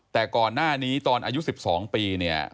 แต่ก่อนหน้านี้ตอนอายุ๑๒ปีเนี่ย